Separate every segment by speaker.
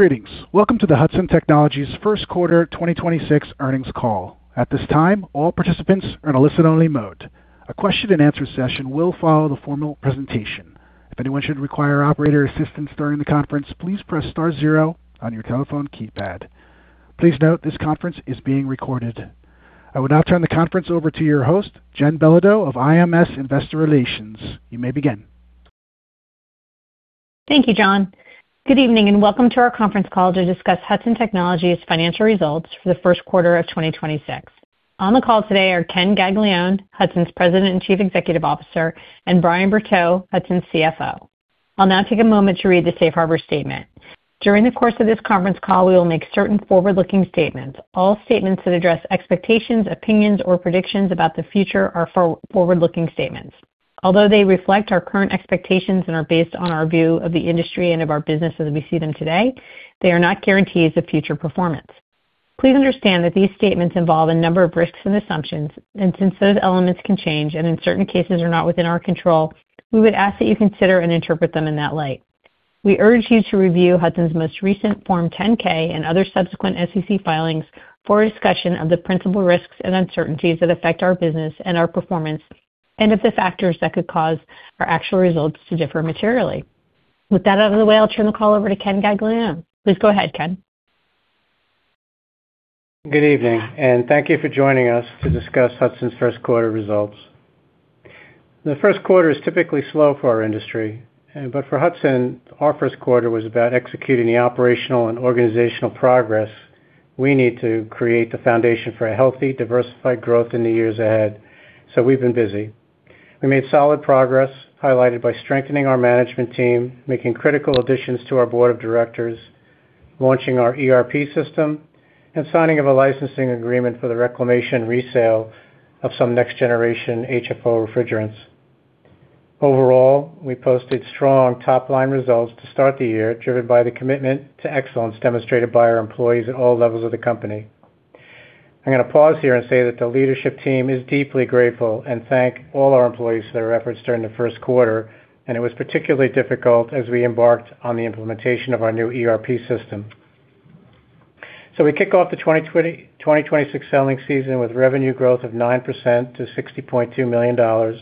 Speaker 1: Greetings. Welcome to the Hudson Technologies Q1 2026 earnings call. I would now turn the conference over to your host, Jen Belodeau of IMS Investor Relations. You may begin.
Speaker 2: Thank you, John. Good evening, welcome to our conference call to discuss Hudson Technologies financial results for the Q1 of 2026. On the call today are Ken Gaglione, Hudson's President and Chief Executive Officer, and Brian Bertaux, Hudson's CFO. I'll now take a moment to read the safe harbor statement. During the course of this conference call, we will make certain forward-looking statements. All statements that address expectations, opinions, or predictions about the future are forward-looking statements. Although they reflect our current expectations and are based on our view of the industry and of our business as we see them today, they are not guarantees of future performance. Please understand that these statements involve a number of risks and assumptions, and since those elements can change and in certain cases are not within our control, we would ask that you consider and interpret them in that light. We urge you to review Hudson's most recent Form 10-K and other subsequent SEC filings for a discussion of the principal risks and uncertainties that affect our business and our performance and of the factors that could cause our actual results to differ materially. With that out of the way, I'll turn the call over to Ken Gaglione. Please go ahead, Ken.
Speaker 3: Good evening, and thank you for joining us to discuss Hudson's Q1 results. The Q1 is typically slow for our industry, but for Hudson, our Q1 was about executing the operational and organizational progress we need to create the foundation for a healthy, diversified growth in the years ahead. We've been busy. We made solid progress, highlighted by strengthening our management team, making critical additions to our board of directors, launching our ERP system, and signing of a licensing agreement for the reclamation resale of some next-generation HFO refrigerants. Overall, we posted strong top-line results to start the year, driven by the commitment to excellence demonstrated by our employees at all levels of the company. I'm gonna pause here and say that the leadership team is deeply grateful and thank all our employees for their efforts during the Q1, and it was particularly difficult as we embarked on the implementation of our new ERP system. We kick off the 2026 selling season with revenue growth of 9% to $60.2 million,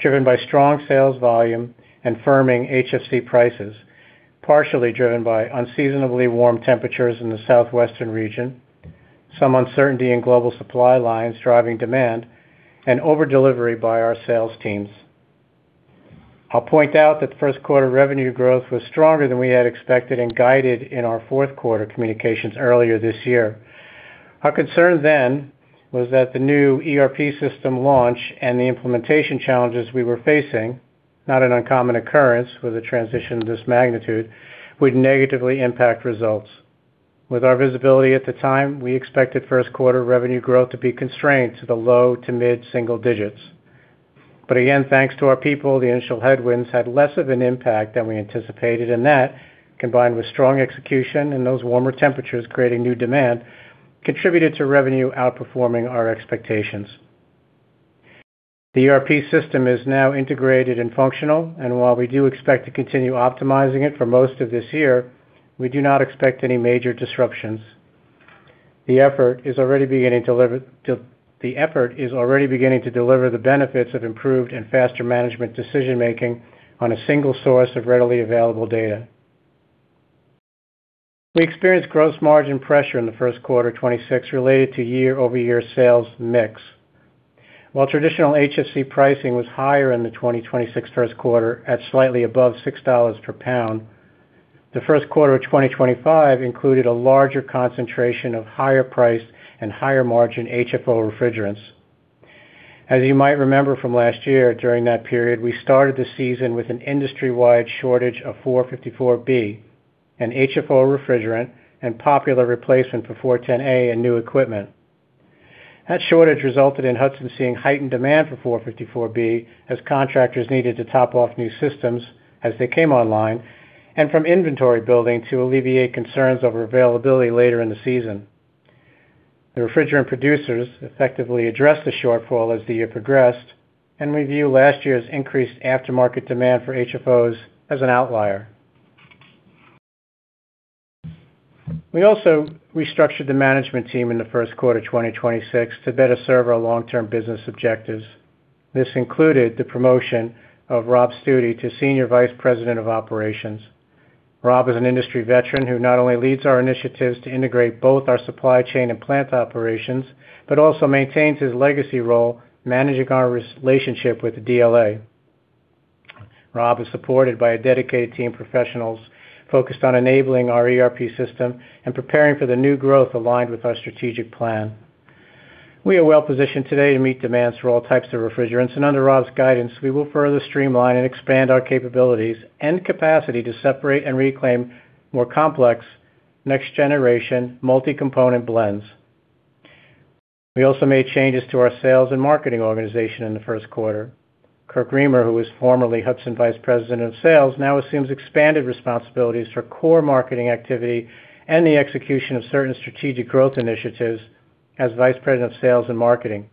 Speaker 3: driven by strong sales volume and firming HFC prices, partially driven by unseasonably warm temperatures in the Southwestern region, some uncertainty in global supply lines driving demand, and over-delivery by our sales teams. I'll point out that Q1 revenue growth was stronger than we had expected and guided in our Q4 communications earlier this year. Our concern then was that the new ERP system launch and the implementation challenges we were facing, not an uncommon occurrence with a transition of this magnitude, would negatively impact results. With our visibility at the time, we expected Q1 revenue growth to be constrained to the low to mid-single digits. Again, thanks to our people, the initial headwinds had less of an impact than we anticipated, and that, combined with strong execution and those warmer temperatures creating new demand, contributed to revenue outperforming our expectations. The ERP system is now integrated and functional, and while we do expect to continue optimizing it for most of this year, we do not expect any major disruptions. The effort is already beginning to deliver the benefits of improved and faster management decision-making on a single source of readily available data. We experienced gross margin pressure in the Q1, 2026, related to year-over-year sales mix. While traditional HFC pricing was higher in the 2026 Q1 at slightly above $6 per pound, the Q1 of 2025 included a larger concentration of higher price and higher margin HFO refrigerants. As you might remember from last year, during that period, we started the season with an industry-wide shortage of R-454B, an HFO refrigerant and popular replacement for R-410A in new equipment. That shortage resulted in Hudson seeing heightened demand for R-454B as contractors needed to top off new systems as they came online and from inventory building to alleviate concerns over availability later in the season. The refrigerant producers effectively addressed the shortfall as the year progressed, and we view last year's increased aftermarket demand for HFOs as an outlier. We also restructured the management team in the Q1, 2026 to better serve our long-term business objectives. This included the promotion of Robert Stoody to Senior Vice President of Operations. Robert is an industry veteran who not only leads our initiatives to integrate both our supply chain and plant operations but also maintains his legacy role managing our relationship with the DLA. Robert is supported by a dedicated team of professionals focused on enabling our ERP system and preparing for the new growth aligned with our strategic plan. We are well-positioned today to meet demands for all types of refrigerants, and under Robert's guidance, we will further streamline and expand our capabilities and capacity to separate and reclaim more complex next-generation multi-component blends. We also made changes to our sales and marketing organization in the Q1. Kirk Reimer, who was formerly Hudson Vice President of Sales, now assumes expanded responsibilities for core marketing activity and the execution of certain strategic growth initiatives as Vice President of Sales and Marketing.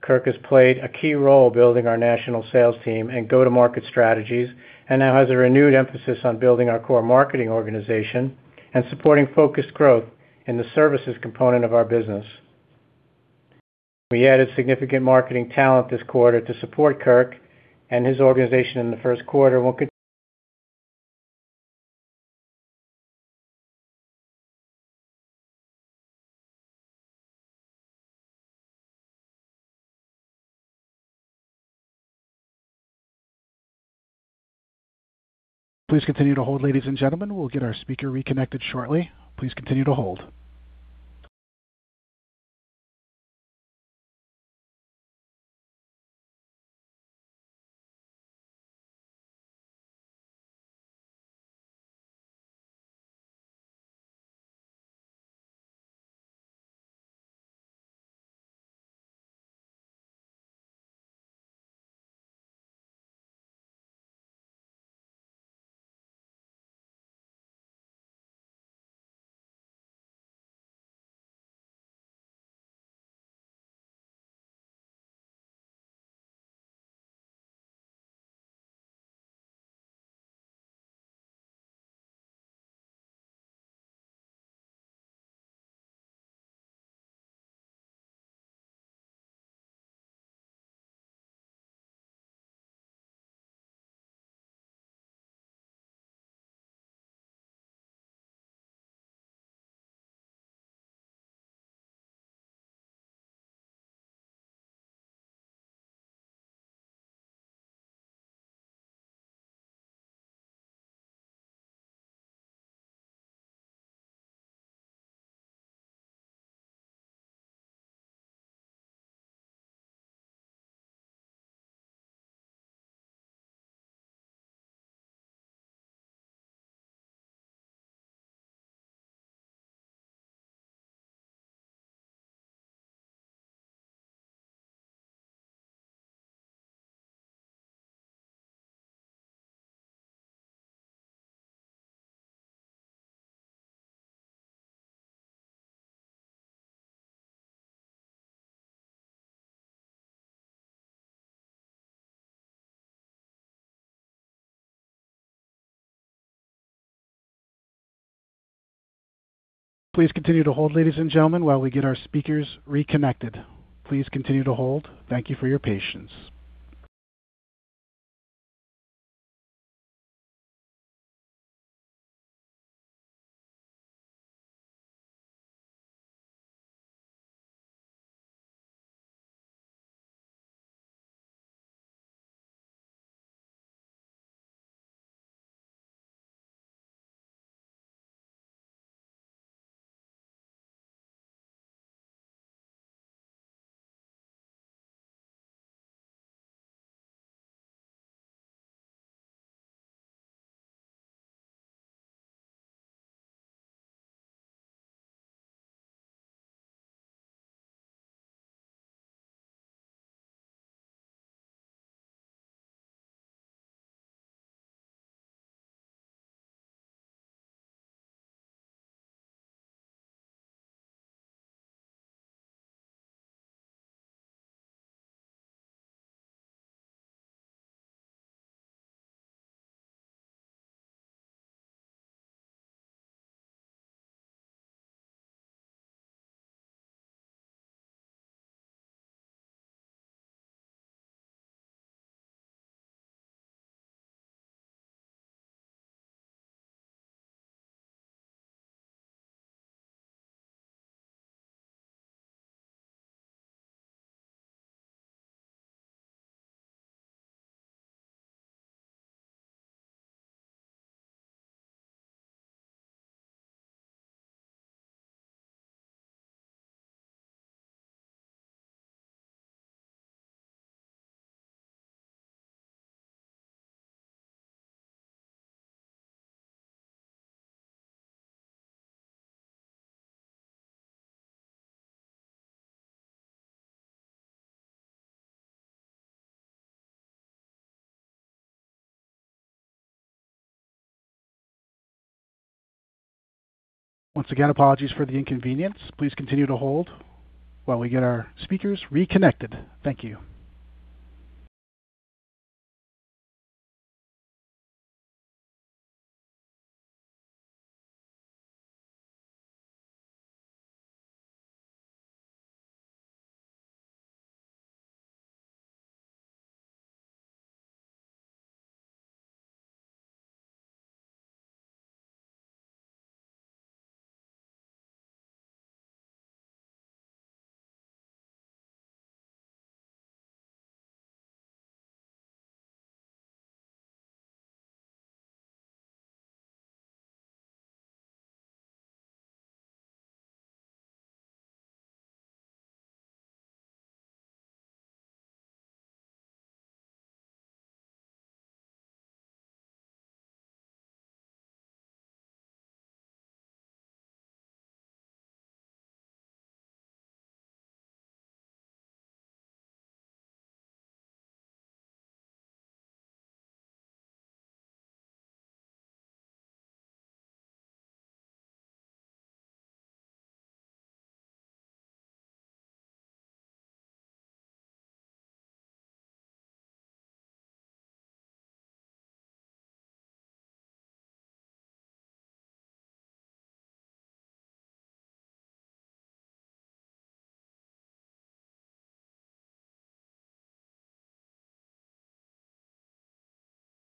Speaker 3: Kirk has played a key role building our national sales team and go-to-market strategies and now has a renewed emphasis on building our core marketing organization and supporting focused growth in the services component of our business. We added significant marketing talent this quarter to support Kirk and his organization in the Q1.
Speaker 1: Please continue to hold, ladies and gentlemen. We'll get our speaker reconnected shortly. Please continue to hold. Please continue to hold, ladies and gentlemen, while we get our speakers reconnected. Please continue to hold. Thank you for your patience. Once again, apologies for the inconvenience. Please continue to hold while we get our speakers reconnected. Thank you.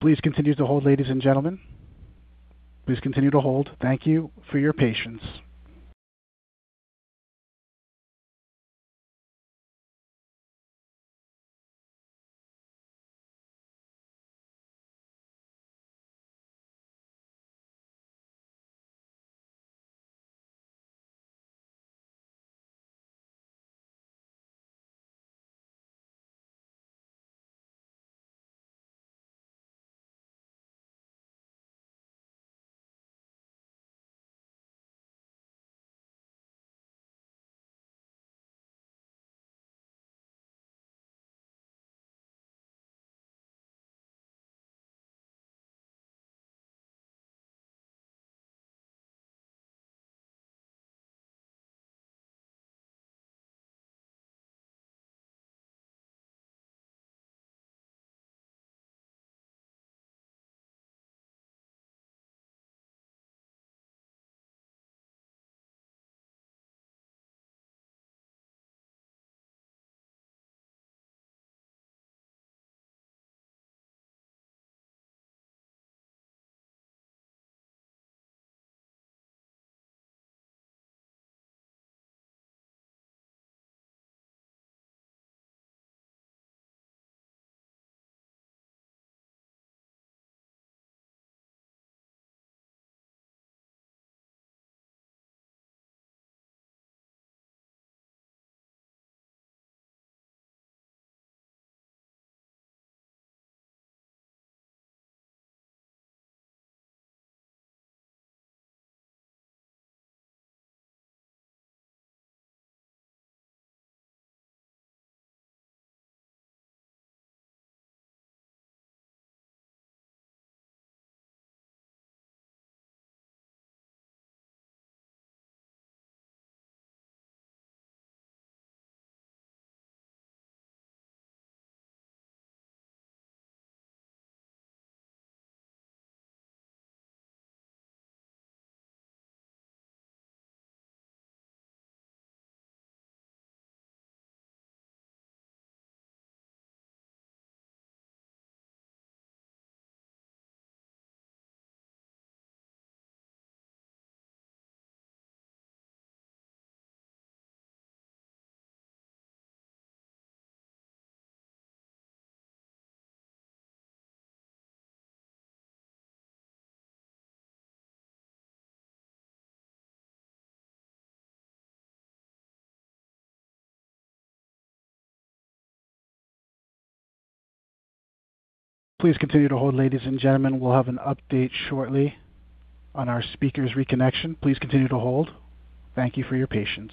Speaker 1: Please continue to hold, ladies and gentlemen. Please continue to hold. Thank you for your patience. Please continue to hold, ladies and gentlemen. We'll have an update shortly on our speaker's reconnection. Please continue to hold. Thank you for your patience.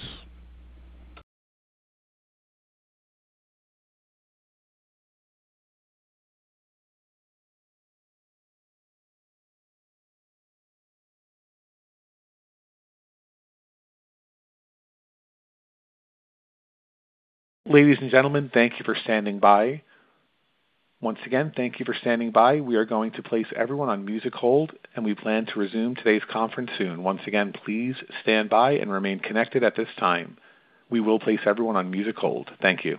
Speaker 1: Ladies and gentlemen, thank you for standing by. Once again, thank you for standing by. We are going to place everyone on music hold, and we plan to resume today's conference soon. Once again, please stand by and remain connected at this time. We will place everyone on music hold. Thank you.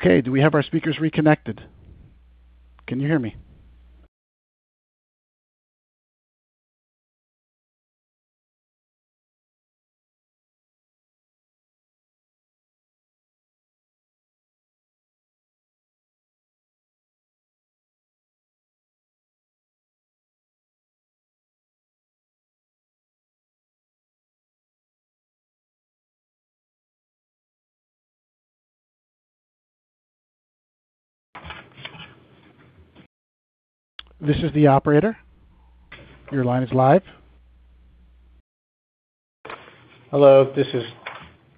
Speaker 1: Okay. Do we have our speakers reconnected? Can you hear me? This is the operator. Your line is live.
Speaker 3: Hello, this is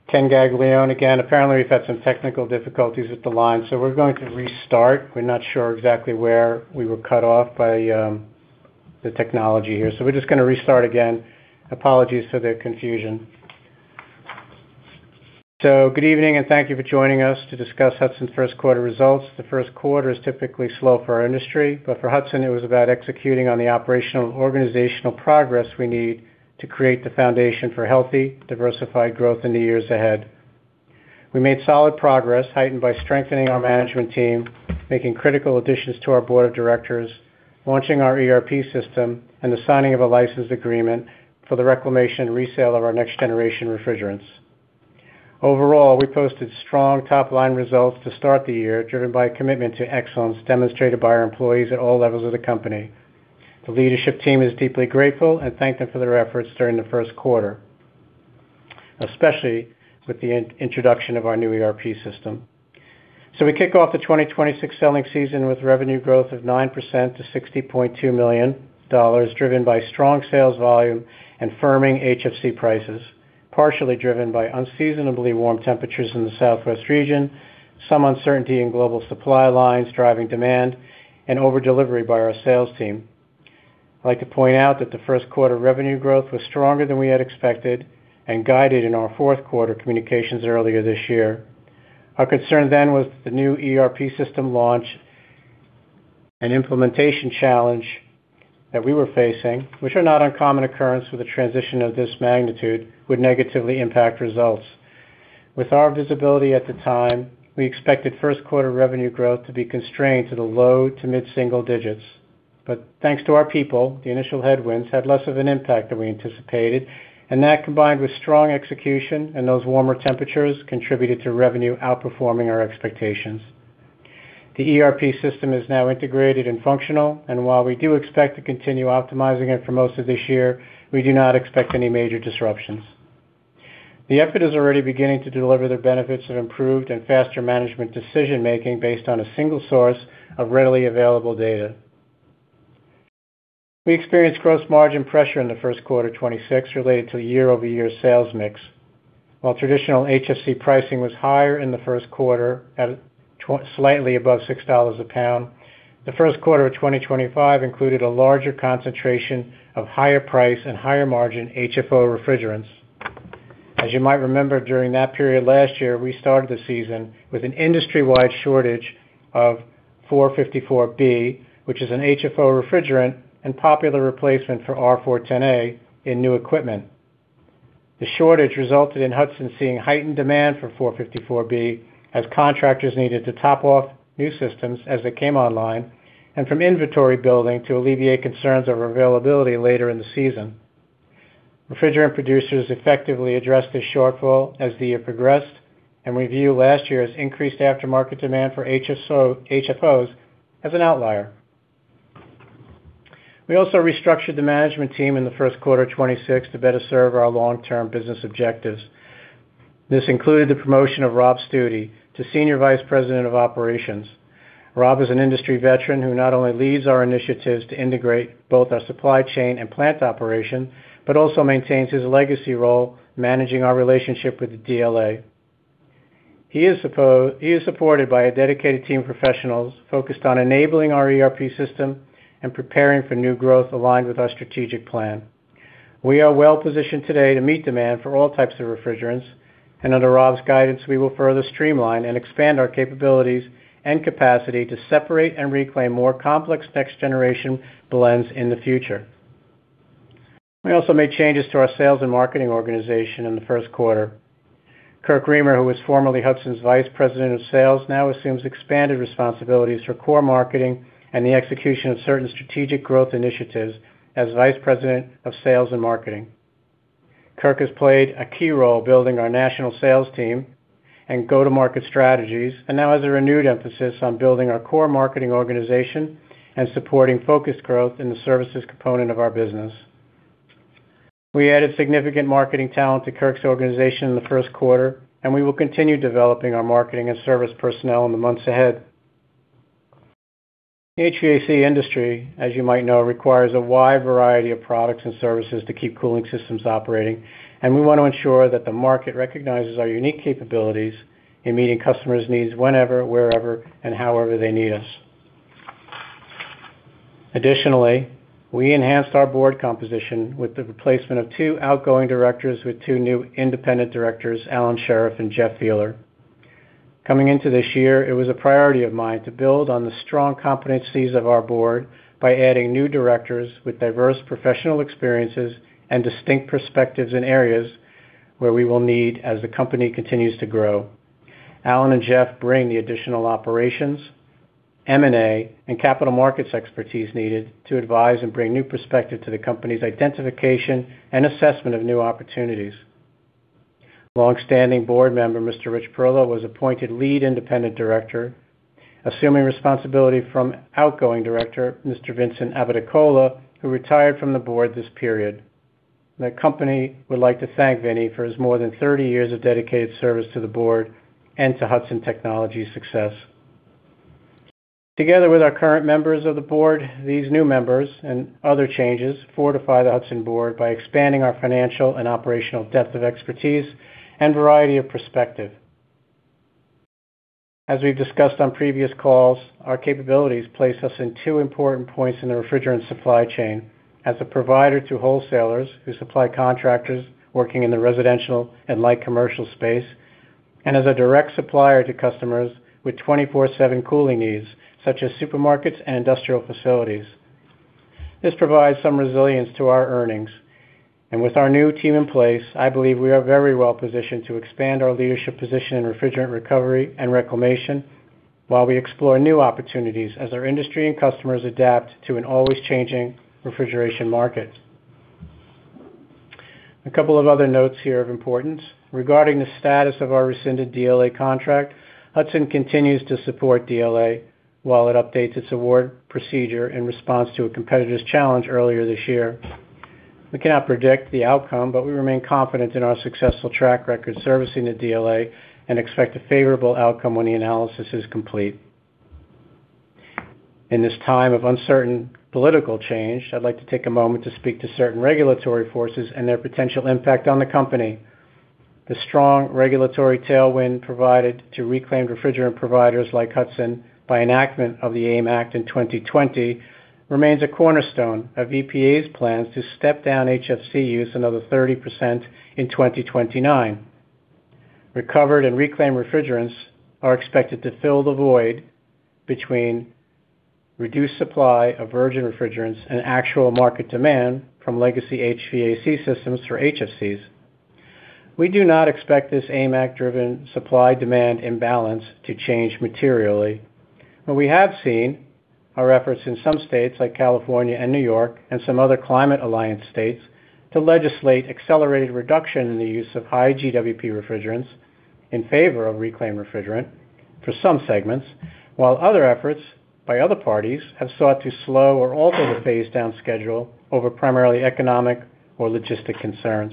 Speaker 3: Ken Gaglione again. Apparently, we've had some technical difficulties with the line, so we're going to restart. We're not sure exactly where we were cut off by the technology here. We're just going to restart again. Apologies for the confusion. Good evening, and thank you for joining us to discuss Hudson's Q1 results. The Q1 is typically slow for our industry, but for Hudson, it was about executing on the operational organizational progress we need to create the foundation for healthy, diversified growth in the years ahead. We made solid progress, heightened by strengthening our management team, making critical additions to our board of directors, launching our ERP system, and the signing of a license agreement for the reclamation and resale of our next-generation refrigerants. Overall, we posted strong top-line results to start the year, driven by a commitment to excellence demonstrated by our employees at all levels of the company. The leadership team is deeply grateful and thank them for their efforts during the Q1, especially with the introduction of our new ERP system. We kick off the 2026 selling season with revenue growth of 9% to $60.2 million, driven by strong sales volume and firming HFC prices, partially driven by unseasonably warm temperatures in the Southwest region, some uncertainty in global supply lines driving demand, and over-delivery by our sales team. I'd like to point out that the Q1 revenue growth was stronger than we had expected and guided in our Q4 communications earlier this year. Our concern then was the new ERP system launch and implementation challenge that we were facing, which are not uncommon occurrence with a transition of this magnitude, would negatively impact results. With our visibility at the time, we expected Q1 revenue growth to be constrained to the low to mid-single digits. Thanks to our people, the initial headwinds had less of an impact than we anticipated, and that combined with strong execution and those warmer temperatures contributed to revenue outperforming our expectations. The ERP system is now integrated and functional, and while we do expect to continue optimizing it for most of this year, we do not expect any major disruptions. The effort is already beginning to deliver the benefits of improved and faster management decision-making based on a single source of readily available data. We experienced gross margin pressure in the Q1 2026 related to year-over-year sales mix. While traditional HFC pricing was higher in the Q1 slightly above $6 a pound, the Q1 of 2025 included a larger concentration of higher price and higher margin HFO refrigerants. As you might remember, during that period last year, we started the season with an industry-wide shortage of R-454B, which is an HFO refrigerant and popular replacement for R-410A in new equipment. The shortage resulted in Hudson seeing heightened demand for R-454B as contractors needed to top off new systems as they came online and from inventory building to alleviate concerns over availability later in the season. Refrigerant producers effectively addressed this shortfall as the year progressed. We view last year's increased aftermarket demand for HFOs as an outlier. We also restructured the management team in the Q1 2026 to better serve our long-term business objectives. This included the promotion of Robert Stoody to Senior Vice President of Operations. Rob is an industry veteran who not only leads our initiatives to integrate both our supply chain and plant operation but also maintains his legacy role managing our relationship with the DLA. He is supported by a dedicated team of professionals focused on enabling our ERP system and preparing for new growth aligned with our strategic plan. We are well-positioned today to meet demand for all types of refrigerants. Under Rob's guidance, we will further streamline and expand our capabilities and capacity to separate and reclaim more complex next-generation blends in the future. We also made changes to our sales and marketing organization in the Q1. Kirk Reimer, who was formerly Hudson's Vice President of Sales, now assumes expanded responsibilities for core marketing and the execution of certain strategic growth initiatives as Vice President of Sales and Marketing. Kirk has played a key role building our national sales team and go-to-market strategies and now has a renewed emphasis on building our core marketing organization and supporting focused growth in the services component of our business. We added significant marketing talent to Kirk's organization in the Q1, and we will continue developing our marketing and service personnel in the months ahead. HVAC industry, as you might know, requires a wide variety of products and services to keep cooling systems operating, and we want to ensure that the market recognizes our unique capabilities in meeting customers' needs whenever, wherever, and however they need us. Additionally, we enhanced our board composition with the replacement of two outgoing directors with two new independent directors, Alan Sheriff and Jeffrey Feeler. Coming into this year, it was a priority of mine to build on the strong competencies of our board by adding new directors with diverse professional experiences and distinct perspectives in areas where we will need as the company continues to grow. Alan and Jeff bring the additional operations, M&A, and capital markets expertise needed to advise and bring new perspective to the company's identification and assessment of new opportunities. Long-standing board member Mr. Rich Parrillo was appointed Lead Independent Director, assuming responsibility from outgoing director Mr. Vincent Abbatecola, who retired from the board this period. The company would like to thank Vinny for his more than 30 years of dedicated service to the board and to Hudson Technologies' success. Together with our current members of the board, these new members and other changes fortify the Hudson board by expanding our financial and operational depth of expertise and variety of perspective. As we've discussed on previous calls, our capabilities place us in two important points in the refrigerant supply chain, as a provider to wholesalers who supply contractors working in the residential and light commercial space, and as a direct supplier to customers with 24/7 cooling needs such as supermarkets and industrial facilities. This provides some resilience to our earnings. With our new team in place, I believe we are very well-positioned to expand our leadership position in refrigerant recovery and reclamation while we explore new opportunities as our industry and customers adapt to an always-changing refrigeration market. A couple of other notes here of importance. Regarding the status of our rescinded DLA contract, Hudson continues to support DLA while it updates its award procedure in response to a competitor's challenge earlier this year. We cannot predict the outcome, but we remain confident in our successful track record servicing the DLA and expect a favorable outcome when the analysis is complete. In this time of uncertain political change, I'd like to take a moment to speak to certain regulatory forces and their potential impact on the company. The strong regulatory tailwind provided to reclaimed refrigerant providers like Hudson by enactment of the AIM Act in 2020 remains a cornerstone of EPA's plans to step down HFC use another 30% in 2029. Recovered and reclaimed refrigerants are expected to fill the void between reduced supply of virgin refrigerants and actual market demand from legacy HVAC systems for HFCs. We do not expect this AIM Act-driven supply-demand imbalance to change materially. We have seen our efforts in some states like California and New York and some other Climate Alliance states to legislate accelerated reduction in the use of high GWP refrigerants in favor of reclaimed refrigerant for some segments, while other efforts by other parties have sought to slow or alter the phase-down schedule over primarily economic or logistic concerns.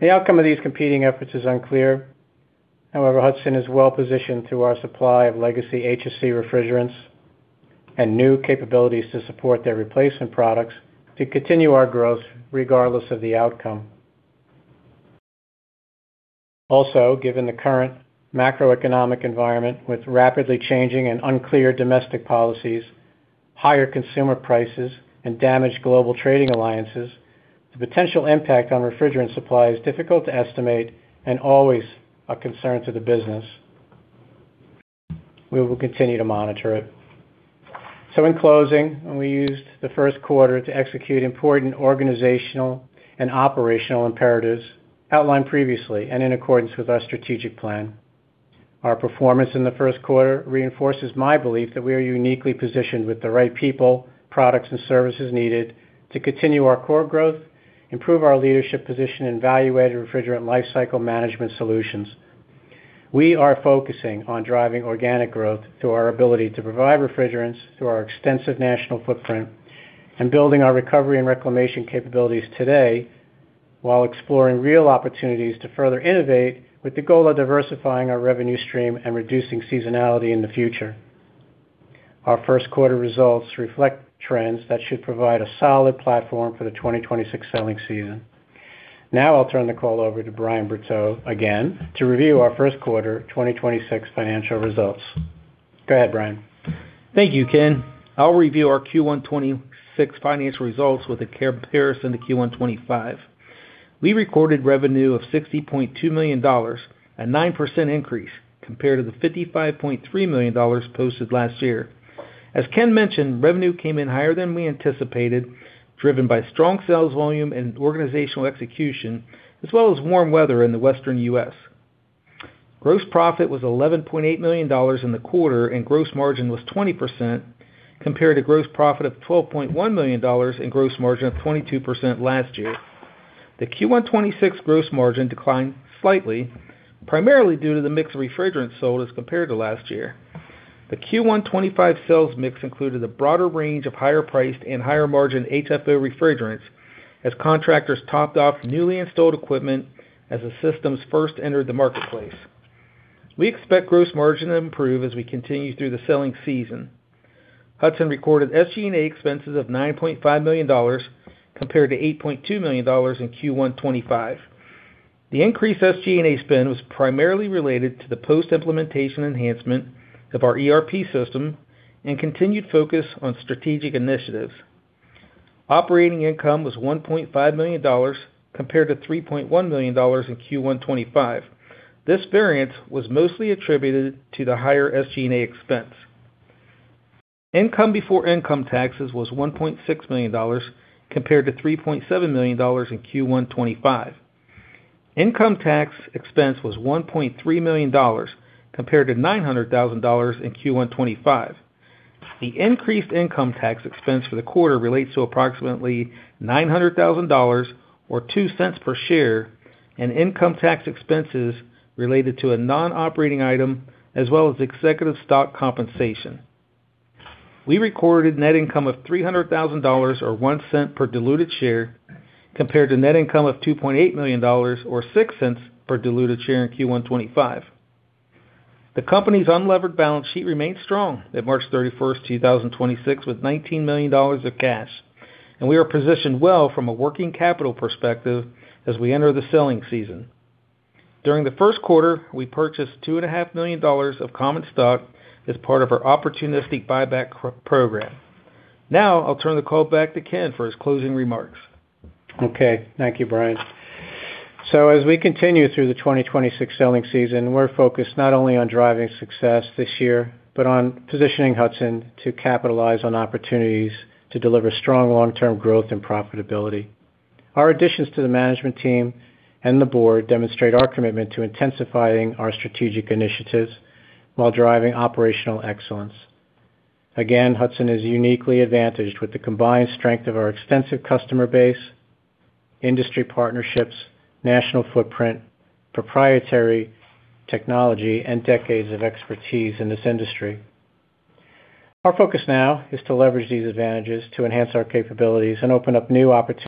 Speaker 3: The outcome of these competing efforts is unclear. Hudson is well-positioned through our supply of legacy HFC refrigerants and new capabilities to support their replacement products to continue our growth regardless of the outcome. Given the current macroeconomic environment with rapidly changing and unclear domestic policies, higher consumer prices, and damaged global trading alliances, the potential impact on refrigerant supply is difficult to estimate and always a concern to the business. We will continue to monitor it. In closing, we used the Q1 to execute important organizational and operational imperatives outlined previously and in accordance with our strategic plan. Our performance in the Q1 reinforces my belief that we are uniquely positioned with the right people, products, and services needed to continue our core growth, improve our leadership position in value-added refrigerant lifecycle management solutions. We are focusing on driving organic growth through our ability to provide refrigerants through our extensive national footprint and building our recovery and reclamation capabilities today while exploring real opportunities to further innovate with the goal of diversifying our revenue stream and reducing seasonality in the future. Our Q1 results reflect trends that should provide a solid platform for the 2026 selling season. Now I'll turn the call over to Brian Bertaux again to review our Q1 2026 financial results. Go ahead, Brian.
Speaker 4: Thank you, Ken. I'll review our Q1 2026 finance results with a comparison to Q1 2025. We recorded revenue of $60.2 million, a 9% increase compared to the $55.3 million posted last year. As Ken mentioned, revenue came in higher than we anticipated, driven by strong sales volume and organizational execution as well as warm weather in the Western U.S. Gross profit was $11.8 million in the quarter, and gross margin was 20% compared to gross profit of $12.1 million and gross margin of 22% last year. The Q1 2026 gross margin declined slightly, primarily due to the mix of refrigerants sold as compared to last year. The Q1 2025 sales mix included a broader range of higher-priced and higher-margin HFO refrigerants as contractors topped off newly installed equipment as the systems first entered the marketplace. We expect gross margin to improve as we continue through the selling season. Hudson recorded SG&A expenses of $9.5 million compared to $8.2 million in Q1 2025. The increased SG&A spend was primarily related to the post-implementation enhancement of our ERP system and continued focus on strategic initiatives. Operating income was $1.5 million compared to $3.1 million in Q1 2025. This variance was mostly attributed to the higher SG&A expense. Income before income taxes was $1.6 million compared to $3.7 million in Q1 2025. Income tax expense was $1.3 million compared to $900,000 in Q1 2025. The increased income tax expense for the quarter relates to approximately $900,000 or $0.02 per share, and income tax expenses related to a non-operating item as well as executive stock compensation. We recorded net income of $300,000 or $0.01 per diluted share compared to net income of $2.8 million or $0.06 per diluted share in Q1 2025. The company's unlevered balance sheet remained strong at 31 March 2026, with $19 million of cash, and we are positioned well from a working capital perspective as we enter the selling season. During the Q1, we purchased two and a half million dollars of common stock as part of our opportunistic buyback program. Now I'll turn the call back to Ken for his closing remarks.
Speaker 3: Okay. Thank you, Brian. As we continue through the 2026 selling season, we're focused not only on driving success this year but on positioning Hudson to capitalize on opportunities to deliver strong long-term growth and profitability. Our additions to the management team and the board demonstrate our commitment to intensifying our strategic initiatives while driving operational excellence. Again, Hudson is uniquely advantaged with the combined strength of our extensive customer base, industry partnerships, national footprint, proprietary technology, and decades of expertise in this industry. Our focus now is to leverage these advantages to enhance our capabilities and open up new opportunities.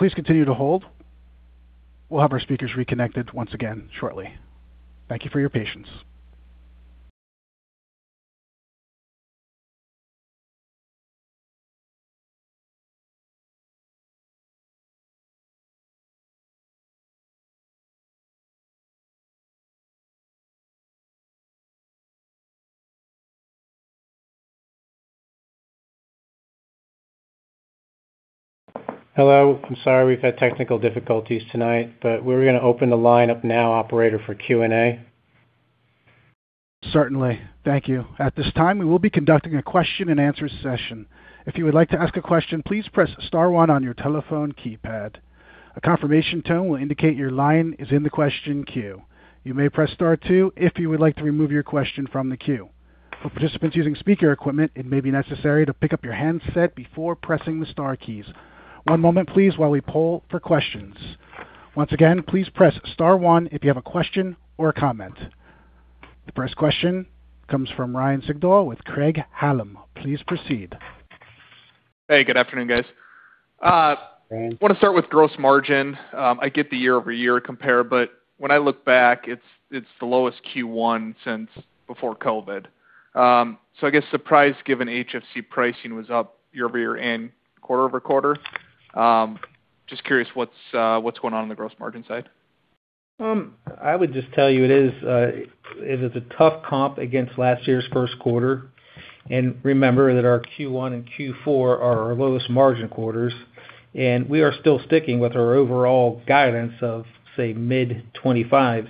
Speaker 1: Please continue to hold. We'll have our speakers reconnected once again shortly. Thank you for your patience.
Speaker 3: Hello. I'm sorry we've had technical difficulties tonight. We're gonna open the line up now, operator, for Q&A.
Speaker 1: Certainly. Thank you. At this time, we will be conducting a question and answer session. If you would like to ask a question, please press star one on your telephone keypad. A confirmation tone will indicate your line is in the question queue. You may press star two if you would like to remove your question from the queue. For participants using speaker equipment, it may be necessary to pick up your handset before pressing the star keys. One moment please while we poll for questions. Once again, please press star one if you have a question or a comment. The first question comes from Ryan Sigdahl with Craig-Hallum. Please proceed.
Speaker 5: Hey, good afternoon, guys.
Speaker 3: Hey.
Speaker 5: Want to start with gross margin. I get the year-over-year compare, but when I look back, it's the lowest Q1 since before COVID. I guess surprise given HFC pricing was up year-over-year and quarter-over-quarter. Just curious what's going on on the gross margin side?
Speaker 4: I would just tell you it is, it is a tough comp against last year's Q1. Remember that our Q1 and Q4 are our lowest margin quarters, and we are still sticking with our overall guidance of, say, mid-25s%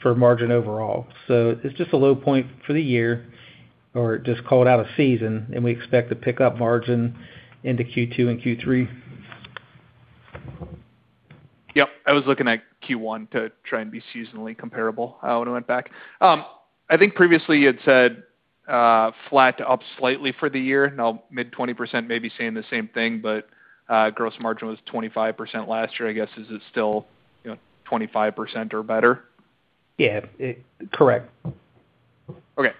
Speaker 4: for margin overall. It's just a low point for the year or just called out a season, and we expect to pick up margin into Q2 and Q3.
Speaker 5: Yep. I was looking at Q1 to try and be seasonally comparable, when I went back. I think previously you had said, flat to up slightly for the year. Mid 20% may be saying the same thing, but gross margin was 25% last year. I guess, is it still, you know, 25% or better?
Speaker 4: Yeah. Correct.
Speaker 5: Okay.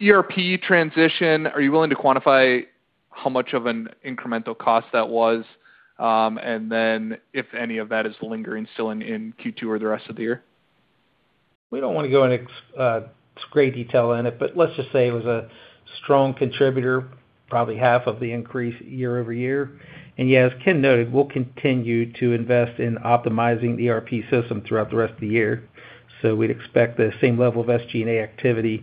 Speaker 5: ERP transition, are you willing to quantify how much of an incremental cost that was? If any of that is lingering still in Q2 or the rest of the year?
Speaker 4: We don't wanna go into great detail in it, but let's just say it was a strong contributor, probably half of the increase year-over-year. Yeah, as Ken noted, we'll continue to invest in optimizing the ERP system throughout the rest of the year. We'd expect the same level of SG&A activity.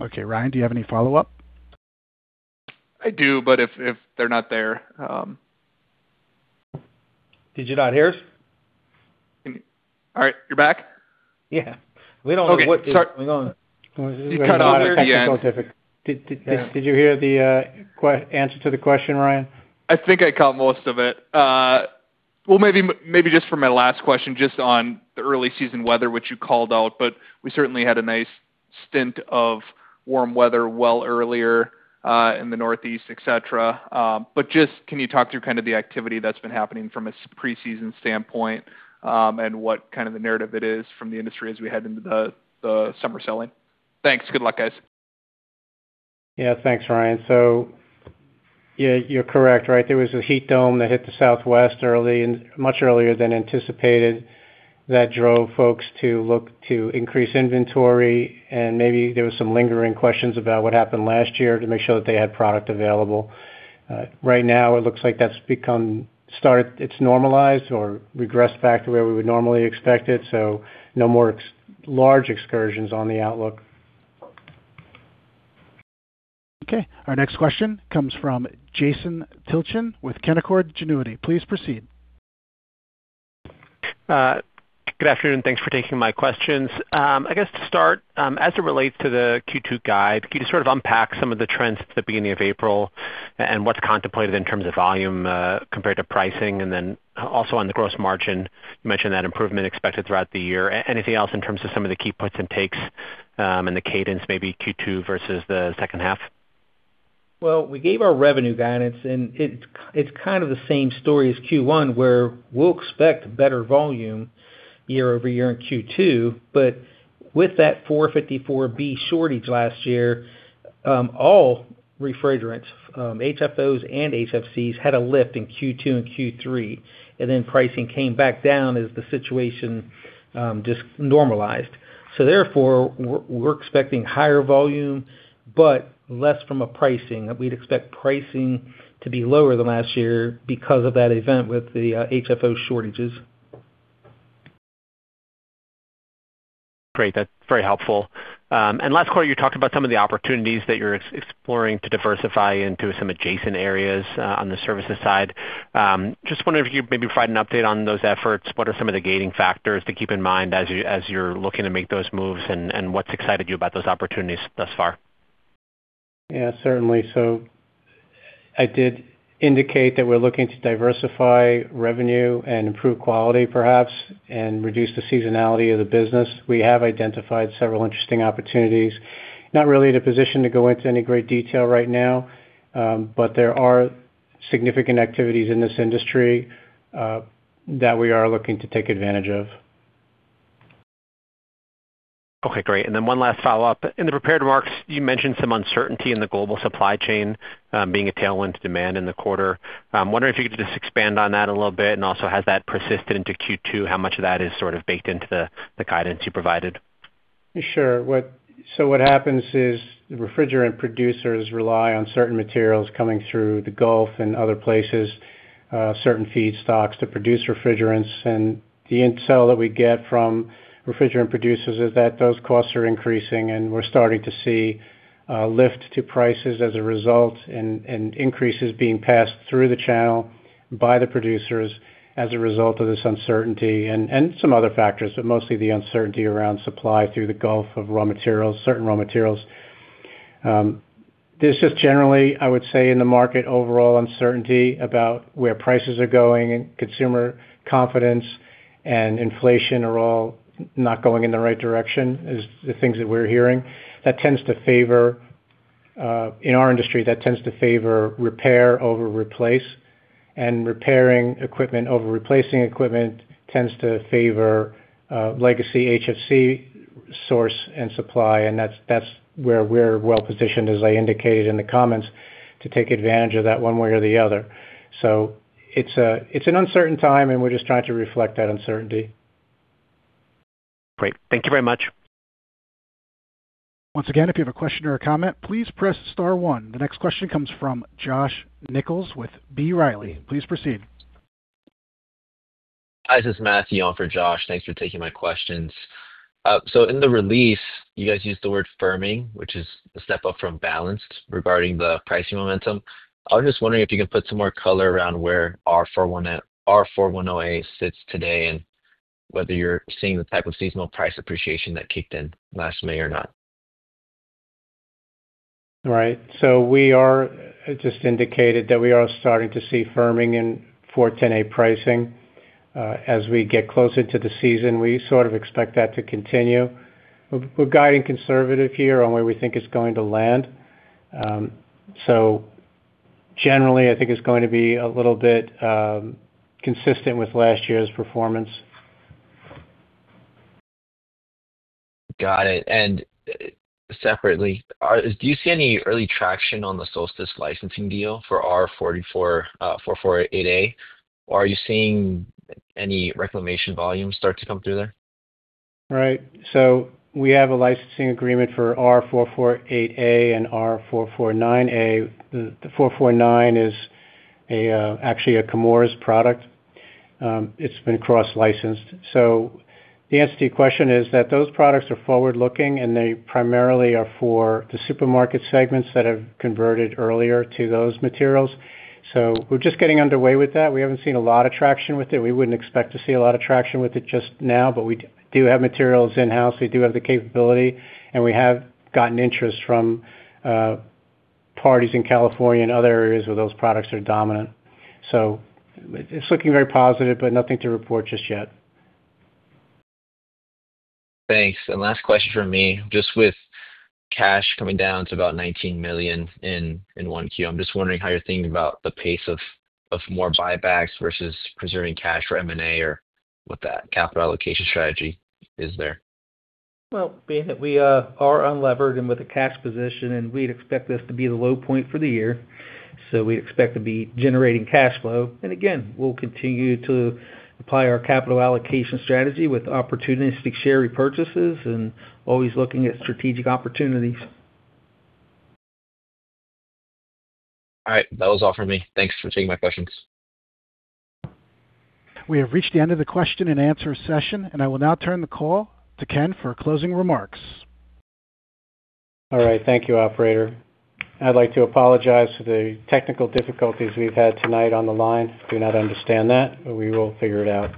Speaker 1: Okay. Ryan, do you have any follow-up?
Speaker 5: I do, but if they're not there,
Speaker 4: Did you not hear us?
Speaker 5: All right, you're back?
Speaker 4: Yeah. We don't know what.
Speaker 5: Okay.
Speaker 4: We're going-
Speaker 5: You cut out there at the end.
Speaker 3: Did you hear the answer to the question, Ryan?
Speaker 5: I think I caught most of it. Maybe, just for my last question, just on the early season weather, which you called out, but we certainly had a nice stint of warm weather well earlier in the Northeast, et cetera. Just can you talk through kind of the activity that's been happening from a preseason standpoint, and what kind of the narrative it is from the industry as we head into the summer selling? Thanks. Good luck, guys.
Speaker 3: Yeah. Thanks, Ryan. Yeah, you're correct, right? There was a heat dome that hit the Southwest early and much earlier than anticipated that drove folks to look to increase inventory. Maybe there was some lingering questions about what happened last year to make sure that they had product available. Right now it looks like that's become it's normalized or regressed back to where we would normally expect it, so no more large excursions on the outlook.
Speaker 1: Okay. Our next question comes from Jason Tilchen with Canaccord Genuity. Please proceed.
Speaker 6: Good afternoon. Thanks for taking my questions. I guess to start, as it relates to the Q2 guide, can you sort of unpack some of the trends at the beginning of April and what's contemplated in terms of volume compared to pricing? Also on the gross margin, you mentioned that improvement expected throughout the year. Anything else in terms of some of the key puts and takes and the cadence maybe Q2 versus the H2?
Speaker 3: We gave our revenue guidance and it's kind of the same story as Q1, where we'll expect better volume year-over-year in Q2. With that R-454B shortage last year, all refrigerants, HFOs and HFCs had a lift in Q2 and Q3, and then pricing came back down as the situation just normalized. Therefore, we're expecting higher volume, but less from a pricing. We'd expect pricing to be lower than last year because of that event with the HFO shortages.
Speaker 6: Great. That's very helpful. Last quarter, you talked about some of the opportunities that you're exploring to diversify into some adjacent areas on the services side. Just wondering if you could maybe provide an update on those efforts. What are some of the gating factors to keep in mind as you, as you're looking to make those moves? What's excited you about those opportunities thus far?
Speaker 3: Yeah, certainly. I did indicate that we're looking to diversify revenue and improve quality perhaps, and reduce the seasonality of the business. We have identified several interesting opportunities. Not really in a position to go into any great detail right now, but there are significant activities in this industry that we are looking to take advantage of.
Speaker 6: Okay, great. One last follow-up. In the prepared remarks, you mentioned some uncertainty in the global supply chain, being a tailwind to demand in the quarter. Wondering if you could just expand on that a little bit. Has that persisted into Q2? How much of that is sort of baked into the guidance you provided?
Speaker 3: Sure. What happens is the refrigerant producers rely on certain materials coming through the Gulf and other places, certain feedstocks to produce refrigerants. The intel that we get from refrigerant producers is that those costs are increasing, and we're starting to see a lift to prices as a result and increases being passed through the channel by the producers as a result of this uncertainty and some other factors, but mostly the uncertainty around supply through the Gulf of raw materials, certain raw materials. There's just generally, I would say, in the market, overall uncertainty about where prices are going and consumer confidence and inflation are all not going in the right direction, is the things that we're hearing. That tends to favor, in our industry, that tends to favor repair over replace. Repairing equipment over replacing equipment tends to favor legacy HFC source and supply, that's where we're well-positioned, as I indicated in the comments, to take advantage of that one way or the other. It's an uncertain time, and we're just trying to reflect that uncertainty.
Speaker 6: Great. Thank you very much.
Speaker 1: Once again, if you have a question or a comment, please press star one. The next question comes from Josh Nichols with B. Riley. Please proceed.
Speaker 7: Hi, this is Matthew on for Josh. Thanks for taking my questions. In the release, you guys used the word firming, which is a step up from balanced regarding the pricing momentum. I was just wondering if you could put some more color around where R-410A sits today and whether you're seeing the type of seasonal price appreciation that kicked in last May or not.
Speaker 3: Right. We just indicated that we are starting to see firming in R-410A pricing. As we get closer to the season, we sort of expect that to continue. We're guiding conservative here on where we think it's going to land. Generally, I think it's going to be a little bit consistent with last year's performance.
Speaker 7: Got it. Separately, do you see any early traction on the Solstice licensing deal for R-448A? Are you seeing any reclamation volume start to come through there?
Speaker 3: We have a licensing agreement for R-448A and R-449A is actually a Chemours product. It's been cross-licensed. The answer to your question is that those products are forward-looking, and they primarily are for the supermarket segments that have converted earlier to those materials. We're just getting underway with that. We haven't seen a lot of traction with it. We wouldn't expect to see a lot of traction with it just now, but we do have materials in-house, we do have the capability, and we have gotten interest from parties in California and other areas where those products are dominant. It's looking very positive, but nothing to report just yet.
Speaker 7: Thanks. Last question from me. Just with cash coming down to about $19 million in Q1, I'm just wondering how you're thinking about the pace of more buybacks versus preserving cash for M&A or what that capital allocation strategy is there.
Speaker 3: Well, being that we are unlevered and with a cash position, and we'd expect this to be the low point for the year, so we expect to be generating cash flow. Again, we'll continue to apply our capital allocation strategy with opportunistic share repurchases and always looking at strategic opportunities.
Speaker 7: All right. That was all from me. Thanks for taking my questions.
Speaker 1: We have reached the end of the question and answer session, and I will now turn the call to Ken for closing remarks.
Speaker 3: All right. Thank you, operator. I'd like to apologize for the technical difficulties we've had tonight on the line. Do not understand that, but we will figure it out.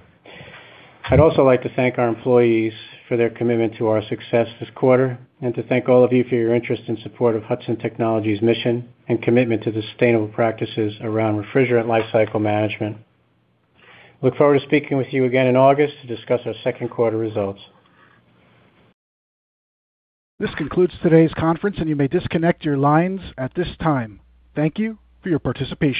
Speaker 3: I'd also like to thank our employees for their commitment to our success this quarter, and to thank all of you for your interest and support of Hudson Technologies' mission and commitment to sustainable practices around refrigerant lifecycle management. Look forward to speaking with you again in August to discuss our Q2 results.
Speaker 1: This concludes today's conference, and you may disconnect your lines at this time. Thank you for your participation.